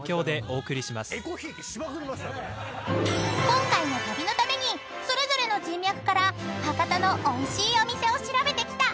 ［今回の旅のためにそれぞれの人脈から博多のおいしいお店を調べてきたＴＯＫＩＯ］